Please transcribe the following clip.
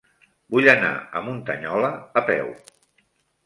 Vull anar a Muntanyola a peu.